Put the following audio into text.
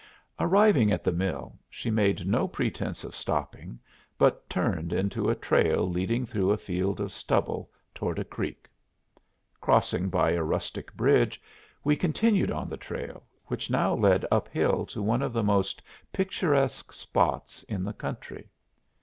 Arriving at the mill, she made no pretense of stopping, but turned into a trail leading through a field of stubble toward a creek. Crossing by a rustic bridge we continued on the trail, which now led uphill to one of the most picturesque spots in the country.